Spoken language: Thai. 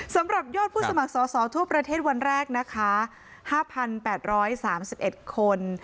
สำหรับยอดผู้สมัครสอสอทั่วประเทศวันแรกนะคะห้าพันแปดร้อยสามสิบเอ็ดคน